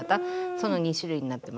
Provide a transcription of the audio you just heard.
その２種類になってます。